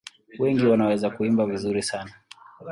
Wengi wanaweza kuimba vizuri sana.